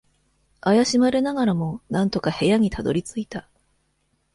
怪しまれながらも、なんとか部屋にたどり着いた。